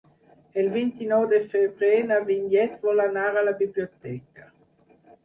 El vint-i-nou de febrer na Vinyet vol anar a la biblioteca.